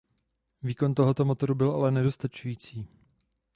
Výkon tohoto motoru byl ale nedostačující.